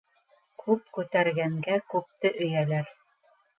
Күп күтәргәнгә күпте өйәләр.